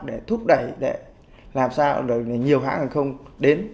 để thúc đẩy để làm sao để nhiều hãng hàng không đến